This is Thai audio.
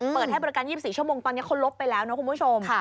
เปิดให้บริการ๒๔ชั่วโมงตอนนี้เขาลบไปแล้วนะคุณผู้ชม